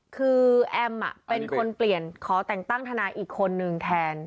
คือแอมเป็นคนเปลี่ยนขอแต่งตั้งทนายอีกคนนึงแทน